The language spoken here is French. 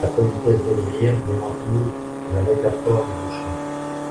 La politesse d'Elvire démentit la métaphore du bouchon.